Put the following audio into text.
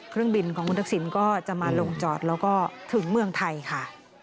เครื่องบินของคุณทักษิณก็จะมาลงจอดแล้วก็ถึงเมืองไทยค่ะ